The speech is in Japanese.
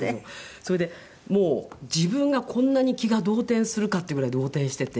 それでもう自分がこんなに気が動転するかっていうぐらい動転していて。